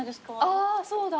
ああそうだ。